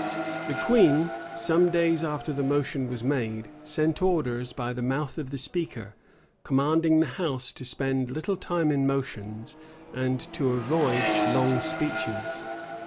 The queen, some days after the motion was made, sent orders, by the mouth of the speaker, commanding the house to spend little time in motions, and to avoid long speeches.